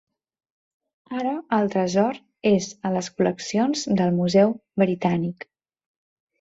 Ara, el tresor és a les col·leccions del Museu Britànic.